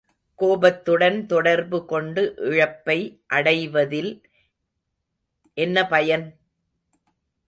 கோபத்துடன் தொடர்பு கொண்டு இழப்பை அடைவதில் என்ன பயன்?